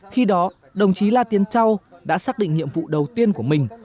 khi đó đồng chí la tiên châu đã xác định nhiệm vụ đầu tiên của mình